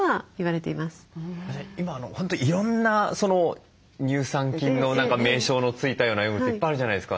今本当いろんな乳酸菌の名称の付いたようなヨーグルトいっぱいあるじゃないですか。